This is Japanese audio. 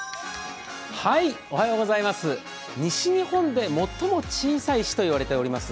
西日本で最も小さい市と言われています